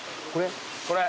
これ？